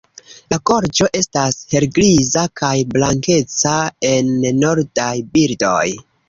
La gorĝo estas helgriza, kaj blankeca en nordaj birdoj.